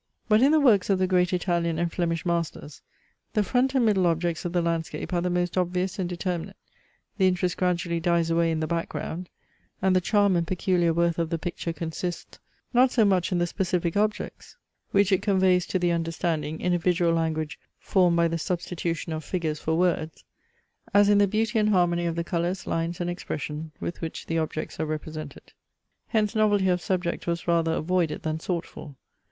But in the works of the great Italian and Flemish masters, the front and middle objects of the landscape are the most obvious and determinate, the interest gradually dies away in the background, and the charm and peculiar worth of the picture consists, not so much in the specific objects which it conveys to the understanding in a visual language formed by the substitution of figures for words, as in the beauty and harmony of the colours, lines, and expression, with which the objects are represented. Hence novelty of subject was rather avoided than sought for.